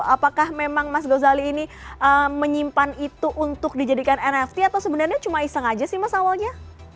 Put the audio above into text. apakah memang mas gozali ini menyimpan itu untuk dijadikan nft atau sebenarnya cuma iseng aja sih mas awalnya